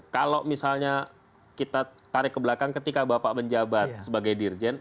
kalau misalnya kita tarik ke belakang ketika bapak menjabat sebagai dirjen